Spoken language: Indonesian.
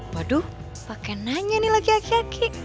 waduh pake nanya nih lagi aki aki